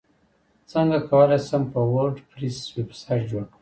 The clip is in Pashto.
څنګه کولی شم په وردپریس ویبسایټ جوړ کړم